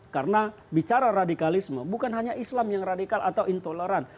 karena bicara radikalisme bukan hanya islam yang radikal atau intoleran